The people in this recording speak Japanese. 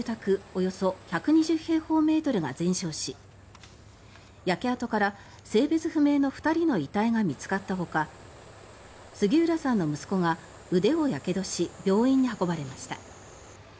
およそ１２０平方メートルが全焼し焼け跡から性別不明の２人の遺体が見つかったほか杉浦さんの息子が腕をやけどし病院に運ばれました。